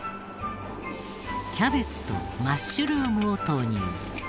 キャベツとマッシュルームを投入。